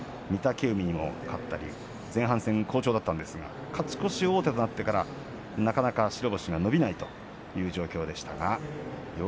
照ノ富士を破った相撲を含めて御嶽海にも勝ったり前半戦、好調だったんですが、勝ち越し王手となってからなかなか白星が伸びない状況でした。